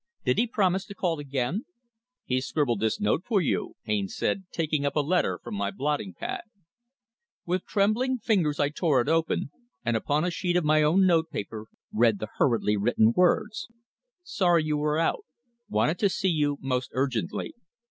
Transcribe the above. "Did he promise to call again?" "He scribbled this note for you," Haines said, taking up a letter from my blotting pad. With trembling fingers I tore it open, and upon a sheet of my own notepaper read the hurriedly written words "Sorry you were out. Wanted to see you most urgently.